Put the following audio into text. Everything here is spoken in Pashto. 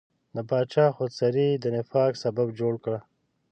د پاچا خودسرۍ د نفاق سبب جوړ کړ.